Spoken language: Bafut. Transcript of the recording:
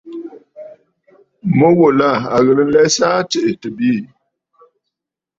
Mu ghùlà à ghɨ̀rə nlɛsə gha tɨ bwiì.